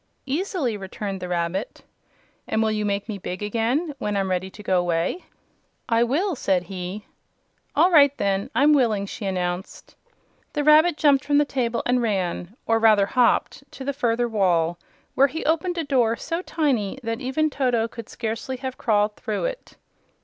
"Easily," returned the rabbit. "And will you make me big again, when I'm ready to go away?" "I will," said he. "All right, then; I'm willing," she announced. The rabbit jumped from the table and ran or rather hopped to the further wall, where he opened a door so tiny that even Toto could scarcely have crawled through it.